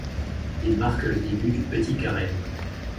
Il marque le début du petit carême.